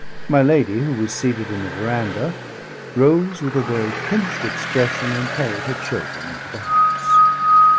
My lady, who was seated in the verandah, rose with a very pinched expression and carried her children into the house.